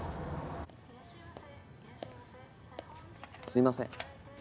すいません。